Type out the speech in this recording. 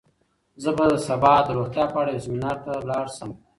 زه به سبا د روغتیا په اړه یو سیمینار ته لاړ شم.